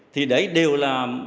thì đấy đều là